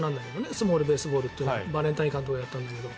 スモールベースボールというのはバレンタイン監督がやったんだけど。